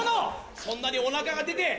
そんなにお腹が出て！